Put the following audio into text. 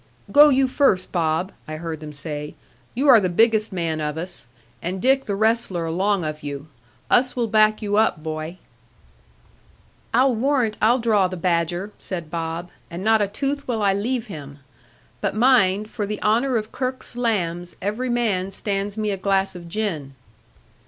'Go you first, Bob,' I heard them say: 'you are the biggest man of us; and Dick the wrestler along of you. Us will back you up, boy.' 'I'll warrant I'll draw the badger,' said Bob; 'and not a tooth will I leave him. But mind, for the honour of Kirke's lambs, every man stands me a glass of gin.'